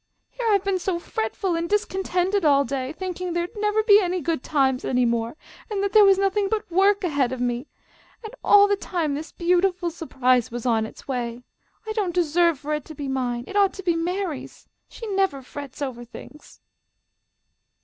Here I've been so fretful and discontented all day, thinking there'd never be any good times any more, and that there was nothing but work ahead of me, and all the time this beautiful surprise was on its way. I don't deserve for it to be mine. It ought to be Mary's. She never frets over things."